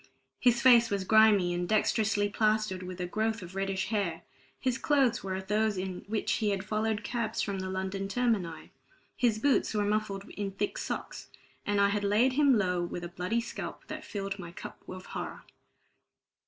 His face was grimy, and dexterously plastered with a growth of reddish hair; his clothes were those in which he had followed cabs from the London termini; his boots were muffled in thick socks; and I had laid him low with a bloody scalp that filled my cup of horror.